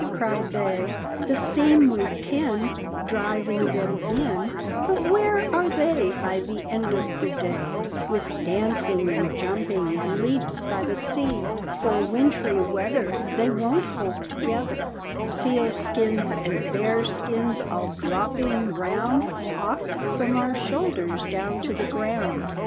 cried they. "The seam we pin Driving them in, But where are they by the end of the day, With dancing, and jumping, and leaps by the sea? For wintry weather They won't hold together, Seal skins and bear skins all dropping round Off from our shoulders down to the ground.